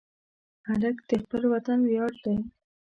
هلک د خپل وطن ویاړ دی.